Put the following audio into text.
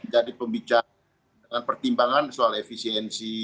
jadi pembicaraan dengan pertimbangan soal efisiensi